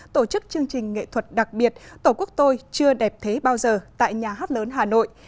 tổ chức chương trình nghệ thuật đặc biệt tổ quốc tôi chưa đẹp thế bao giờ tại nhà hát lớn hà nội